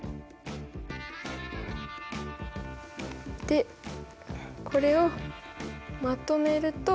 でこれをまとめると。